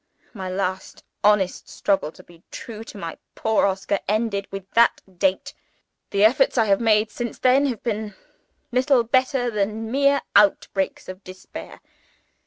My last honest struggle to be true to my poor Oscar ended with that day. The efforts I have made since then have been little better than mere outbreaks of despair.